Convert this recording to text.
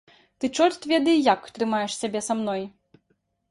Ты чорт ведае як трымаеш сябе са мной.